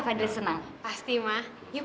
fadil fadil kamu di dalam